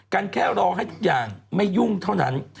กันแค่รอให้ทุกอย่างไม่ยุ่งเท่านั้น